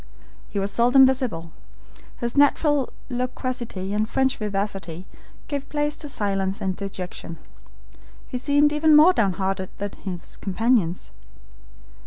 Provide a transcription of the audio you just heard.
He was seldom visible; his natural loquacity and French vivacity gave place to silence and dejection. He seemed even more downhearted than his companions.